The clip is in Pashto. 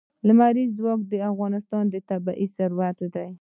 لمریز ځواک د افغانستان طبعي ثروت دی.